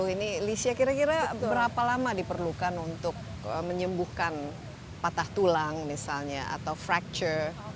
ini lisya kira kira berapa lama diperlukan untuk menyembuhkan patah tulang misalnya atau fracture